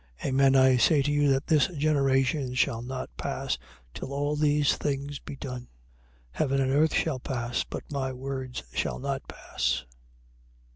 24:34. Amen I say to you that this generation shall not pass till all these things be done. 24:35. Heaven and earth shall pass: but my words shall not pass.